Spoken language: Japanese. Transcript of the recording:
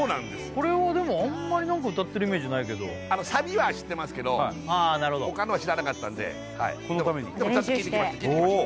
これはあんまり歌ってるイメージないけどあのサビは知ってますけど他のは知らなかったんでこのためにでもちゃんと聴いてきました